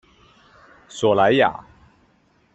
索莱亚。